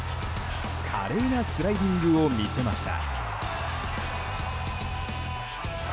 華麗なスライディングを見せました。